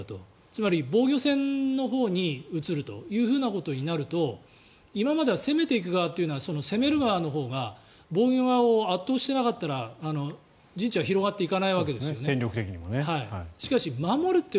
つまり防御戦のほうに移るということになると今までは攻めていく側というのは攻める側のほうが防御側を圧倒していなかったら陣地は広がっていかないわけですね。